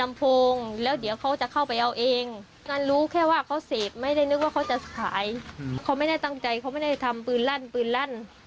ไม่เชื่อไม่เชื่ออะไรสักนิดนึงเลยค่ะ